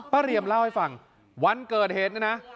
ป้าเรียมเล่าให้ฟังวันเกิดเหตุนะ